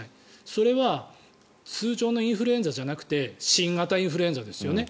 それは通常のインフルエンザじゃなくて新型インフルエンザですよね。